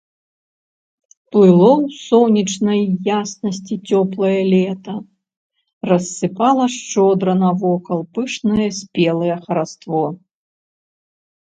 Плыло ў сонечнай яснасці цёплае лета, рассыпала шчодра навокал пышнае спелае хараство.